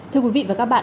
thưa quý vị và các bạn